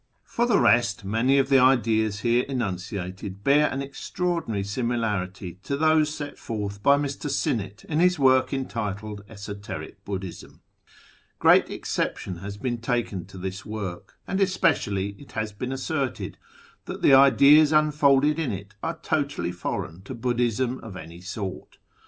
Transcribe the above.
For the rest, many of the ideas here enunciated bear an extraordinary similarity to those set forth by Mr. Sinnett in his work entitled Esoteric Buddhism. Great exception has been taken to this work, and especially it has been asserted that the ideas unfolded in it are totally foreign to Buddhism of any sort.